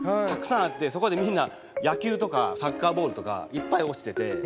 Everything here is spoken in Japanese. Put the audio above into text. たくさんあってそこでみんな野球とかサッカーボールとかいっぱい落ちてて。